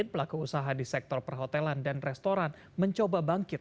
pelaku usaha di sektor perhotelan dan restoran mencoba bangkit